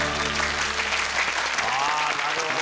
あなるほど。